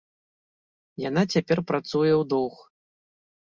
Яна цяпер працуе ў доўг.